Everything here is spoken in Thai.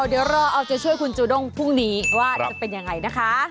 ว้าวเดี๋ยวเราจะช่วยคุณจูดองพรุ่งนี้ว่าจะเป็นอย่างไรนะคะ